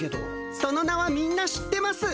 その名はみんな知ってます。